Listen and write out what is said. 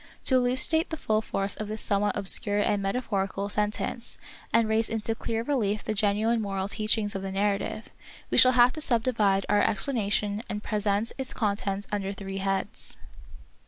"' To elucidate the full force of this somewhat obscure and metaphorical sen tence, and raise into clear relief the genuine moral teachings of the narrative, we shall have to subdivide our explanation and present its contents under three heads.